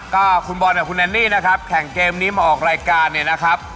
ก็คุณบอลกับคุณแอนนี่นะครับแข่งเกมนี้มาออกรายการเนี่ยนะครับ